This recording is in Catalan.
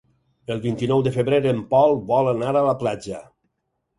El vint-i-nou de febrer en Pol vol anar a la platja.